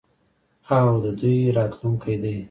او د دوی راتلونکی دی.